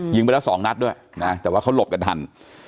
ไปแล้วสองนัดด้วยนะแต่ว่าเขาหลบกันทัน